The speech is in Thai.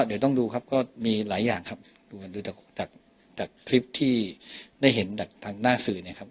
เดี๋ยวต้องดูครับก็มีหลายอย่างครับดูจากจากคลิปที่ได้เห็นจากทางหน้าสื่อเนี่ยครับ